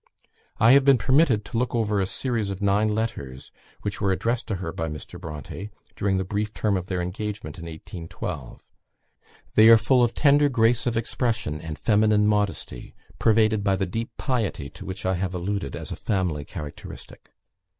I have been permitted to look over a series of nine letters, which were addressed by her to Mr. Bronte, during the brief term of their engagement in 1812. They are full of tender grace of expression and feminine modesty; pervaded by the deep piety to which I have alluded as a family characteristic.